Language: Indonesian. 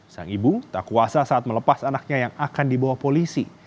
sang ibu tak kuasa saat melepas anaknya yang akan dibawa polisi